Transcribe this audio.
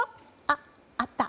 あ、あった。